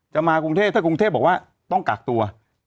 มากรุงเทพถ้ากรุงเทพบอกว่าต้องกักตัว